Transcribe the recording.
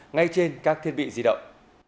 ngay trên các thiết bị di động